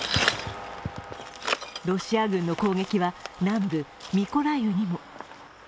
ロシア軍の攻撃は南部ミコライウにも。